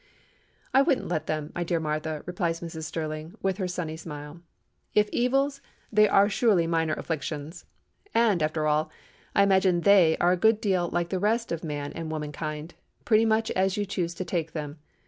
"I wouldn't let them, my dear Martha," replies Mrs. Sterling, with her sunny smile. "If evils, they are surely minor afflictions. And, after all, I imagine 'they' are a good deal like the rest of man and womankind—pretty much as you choose to take them.